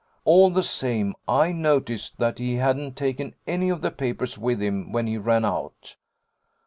All the same, I noticed that he hadn't taken any of the papers with him when he ran out.